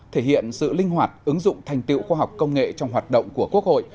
thể hiện sự linh hoạt ứng dụng thành tiệu khoa học công nghệ trong hoạt động của quốc hội